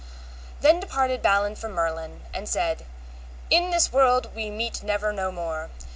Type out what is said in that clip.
Then departed Balin from Merlin, and said, In this world we meet never no more.